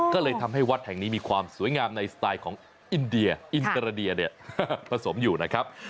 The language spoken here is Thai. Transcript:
ก็เลยทำให้วัดแห่งนี้มีความสวยงามในสไตล์ของอินเดียอินตราเดียเนี่ยผสมอยู่นะครับ